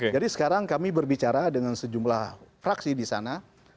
jadi sekarang kami berbicara dengan sejumlah fraksi di sana